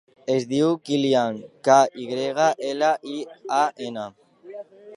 Es diu Kylian: ca, i grega, ela, i, a, ena.